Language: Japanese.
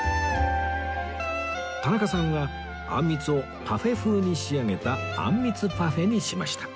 田中さんはあんみつをパフェ風に仕上げたあんみつパフェにしました